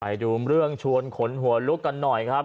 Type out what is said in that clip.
ไปดูเรื่องชวนขนหัวลุกกันหน่อยครับ